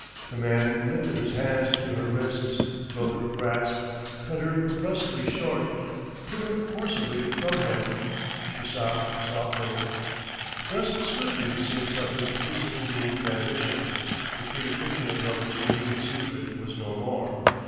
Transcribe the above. The man lifted his hands to her wrists, broke her grasp, cut her brusquely short, put her forcibly from him. She sobbed softly.... Thus swiftly the scene suffered disillusioning transition. The pretty fiction of lovers meeting in secret was no more.